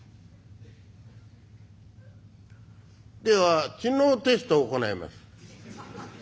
「では知能テストを行います」。